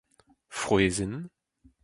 frouezhenn